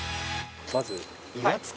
まず岩槻。